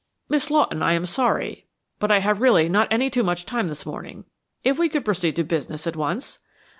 "Miss Lawton, I am sorry, but I have really not any too much time this morning. If we could proceed to business at once."